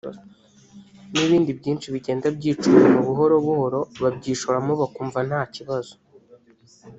n’ibindi byinshi bigenda byica umuntu buhoro buhoro babyishoramo bakumva nta kibazo